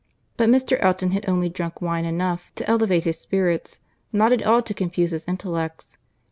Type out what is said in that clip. But Mr. Elton had only drunk wine enough to elevate his spirits, not at all to confuse his intellects.